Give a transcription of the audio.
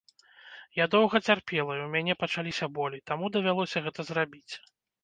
Я доўга цярпела і ў мяне пачаліся болі, таму давялося гэта зрабіць.